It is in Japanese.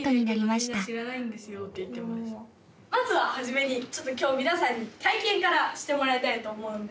まずは初めにちょっと今日皆さんに体験からしてもらいたいと思うんですけど。